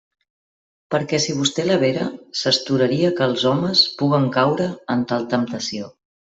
Perquè si vostè la vera, s'astoraria que els homes puguen caure en tal temptació.